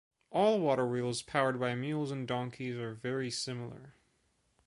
All waterwheels powered by mules and donkeys are very similar.